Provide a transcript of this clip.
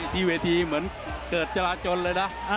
ที่เวทีเหมือนเกิดจราจนเลยนะ